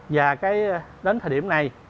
và đến thời điểm này